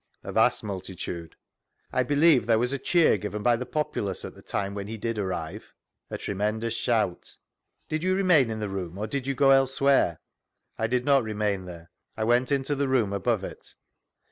— A vast multitude. I believe there was a cheer given by thte populace at the time when he did arrive ?— A tremendous shout Did you remain in the room or did you go elsewhere ?— I did not remain there ; I went into the room above it.